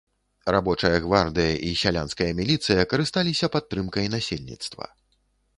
Рабочая гвардыя і сялянская міліцыя карысталіся падтрымкай насельніцтва.